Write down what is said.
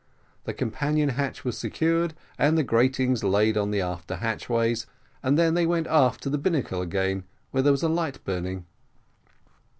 The companion hatch was secured, and the gratings laid on the after hatch ways, and then they went aft to the binnacle again, where there was a light burning.